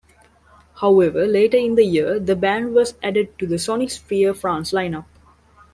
However, later in the year the band was added to the Sonisphere France line-up.